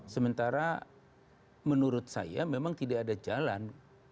sementara menurut saya memang tidak ada jalan